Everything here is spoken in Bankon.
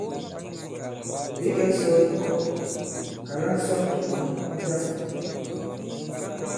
Ɓě kɛ̄k sɔ̄ i ŋkɔŋ, kàla ŋsɔn tɔ̀ moi mu ta fā.